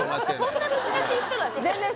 そんな難しい人なんですか竜星くん